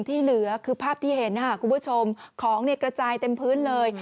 ที่เห็นคุณผู้ชมของกระจายเต็มพื้นเลย